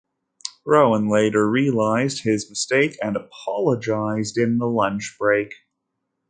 Rowan later realised his mistake and apologised in the lunch break.